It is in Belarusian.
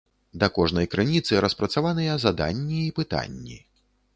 Да кожнай крыніцы распрацаваныя заданні і пытанні.